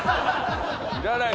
いらない